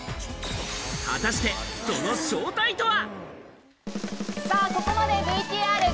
果たして、その正体とは？